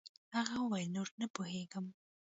هغه وويل نور نه پوهېږم.